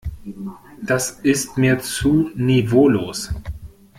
Das ist mir zu niveaulos.